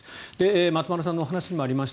松丸さんのお話にもありました